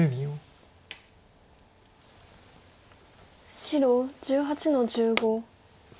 白１８の十五。